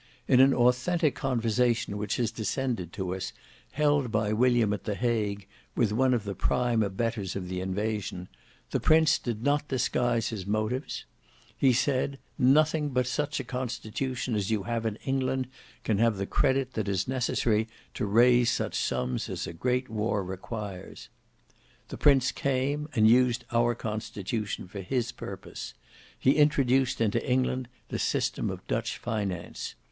In an authentic conversation which has descended to us, held by William at the Hague with one of the prime abettors of the invasion, the prince did not disguise his motives; he said, "nothing but such a constitution as you have in England can have the credit that is necessary to raise such sums as a great war requires." The prince came, and used our constitution for his purpose: he introduced into England the system of Dutch finance.